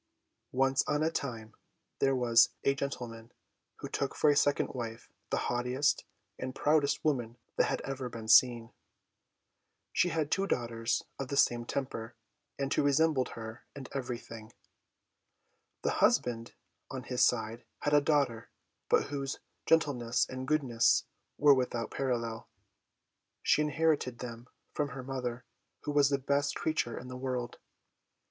Once on a time there was a gentleman who took for a second wife the haughtiest and proudest woman that had ever been seen. She had two daughters of the same temper, and who resembled her in everything. The husband, on his side, had a daughter, but whose gentleness and goodness were without parallel. She inherited them from her mother, who was the best creature in the world.